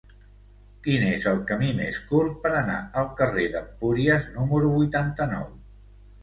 Quin és el camí més curt per anar al carrer d'Empúries número vuitanta-nou?